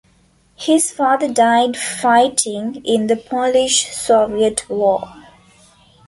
His father died fighting in the Polish-Soviet War.